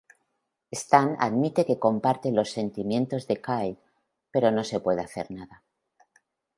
Stan admite que comparte los sentimientos de Kyle pero no se puede hacer nada.